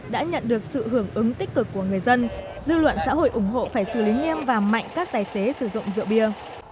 đã nhận được sự hưởng ứng tích cực của người dân dư luận xã hội ủng hộ phải xử lý nghiêm và mạnh các tài xế sử dụng rượu bia